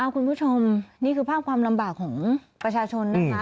คุณผู้ชมนี่คือภาพความลำบากของประชาชนนะคะ